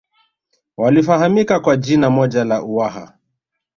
walifahamika kwa jina moja la Uwaha